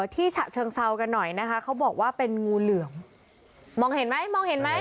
ฉะเชิงเซากันหน่อยนะคะเขาบอกว่าเป็นงูเหลือมมองเห็นไหมมองเห็นไหม